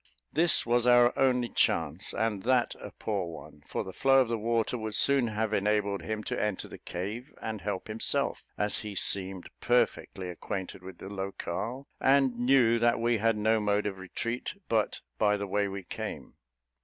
This was our only chance, and that a poor one; for the flow of the water would soon have enabled him to enter the cave and help himself, as he seemed perfectly acquainted with the locale, and knew that we had no mode of retreat but by the way we came.